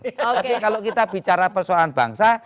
oke kalau kita bicara persoalan bangsa